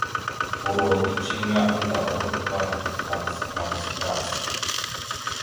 Uuro eceŋé annda a hoɗ va rac rac rac.